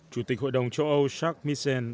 chủ tịch hội đồng châu âu charles macron